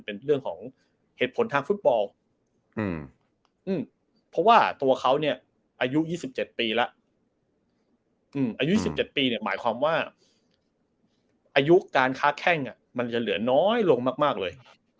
เพราะว่าตัวเขาเนี่ยอายุ๒๗ปีแล้วอายุ๒๗ปีหมายความว่าอายุการค้าแข้งมันจะเหลือน้อยลงมากเลย